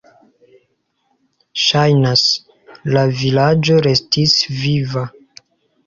Ŝajnas, la vilaĝo restis viva.